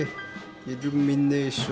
イルミネーション。